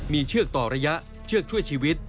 มีเชือกต่อระยะเชือกช่วยชีวิต